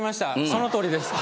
そのとおりです。